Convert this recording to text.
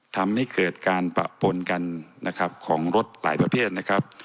ทำให้เกิดการปะปนกันนะครับของรถหลายประเภทนะครับ